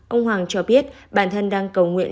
ông hoàng cho biết bản thân đang cầu nguyện